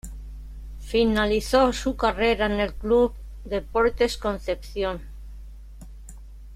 Finalizó su carrera en el club Deportes Concepción.